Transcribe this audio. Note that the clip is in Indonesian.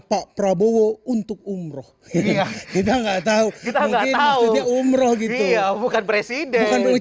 pak prabowo untuk umroh kita enggak tahu kita enggak tahu nih umroh gini yang bukan presiden